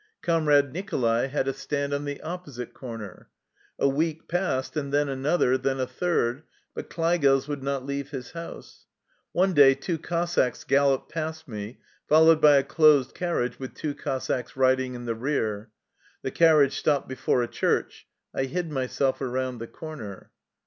Comrade 128 THE LIFE STOEY OF A RUSSIAN EXILE Nicholai had a stand on the opposite corner. A week passed, and then another, then a third, but Kleigels would not leave his house. One day two Cossacks galloped past ше, followed by a closed carriage with two Cossacks riding in the rear. The carriage stopped before a church. I hid myself around the corner.